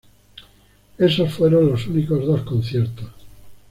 Esos fueron los únicos dos conciertos.